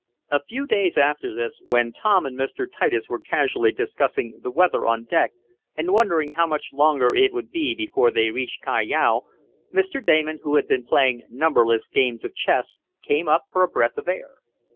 A few days after this, when Tom and Mr. Titus were casually discussing the weather on deck and wondering how much longer it would be before they reached Callao, Mr. Damon, who had been playing numberless games of chess, came up for a breath of air.